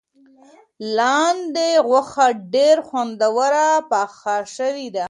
لاندي غوښه ډېره خوندوره پخه شوې ده.